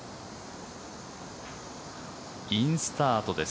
インスタートです。